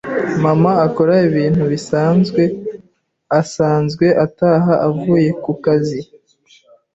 Mama akora ibintu bisanzwe asanzwe ataha avuye kukazi.